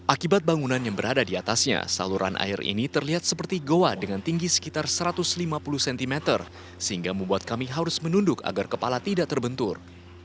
akibat bangunan yang berada di atasnya saluran air ini terlihat seperti goa dengan tinggi sekitar satu ratus lima puluh cm sehingga membuat kami harus menunduk agar kepala tidak terbentur